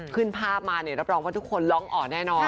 ภาพมาเนี่ยรับรองว่าทุกคนร้องอ่อนแน่นอน